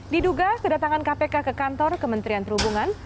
diduga kedatangan kpk ke kantor kementerian perhubungan